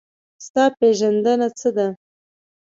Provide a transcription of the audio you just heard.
ستا پېژندنه څه ده؟